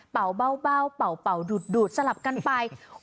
เป่าเบาเป่าดูดสลับกันไป